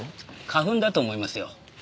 花粉だと思いますよ。